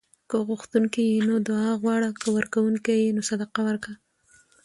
که غوښتونکی یې نو دعا غواړه؛ که ورکونکی یې نو صدقه ورکوه